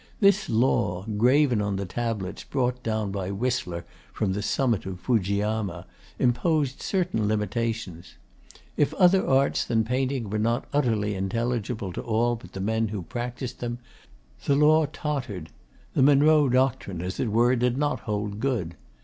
This law (graven on the tablets brought down by Whistler from the summit of Fujiyama) imposed certain limitations. If other arts than painting were not utterly unintelligible to all but the men who practised them, the law tottered the Monroe Doctrine, as it were, did not hold good.